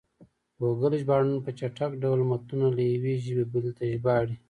ګوګل ژباړن په چټک ډول متنونه له یوې ژبې بلې ته ژباړي.